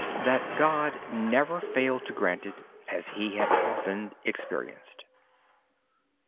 God never failed to grant it, as Brother Lawrence had often experienced.